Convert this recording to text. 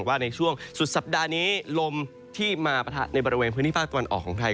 ว่าในช่วงสุดสัปดาห์นี้ลมที่มาปะทะในบริเวณพื้นที่ภาคตะวันออกของไทย